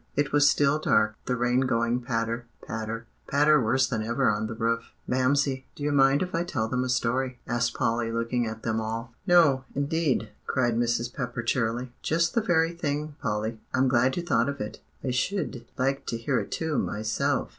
It was still dark, the rain going patter patter patter worse than ever on the roof. "Mamsie, do you mind if I tell them a story?" asked Polly, looking at them all. "No, indeed," cried Mrs. Pepper cheerily. "Just the very thing, Polly. I'm glad you thought of it. I sh'd like to hear it too, myself."